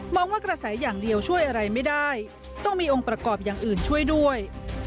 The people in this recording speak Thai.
ว่ากระแสอย่างเดียวช่วยอะไรไม่ได้ต้องมีองค์ประกอบอย่างอื่นช่วยด้วย